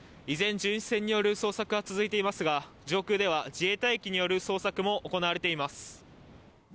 依然、巡視船による捜索が続いていますが、上空では自衛隊機による捜索も行われています。